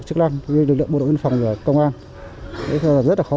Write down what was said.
đối với lực lượng bộ đồng viên phòng và công an cũng rất là hiểm trở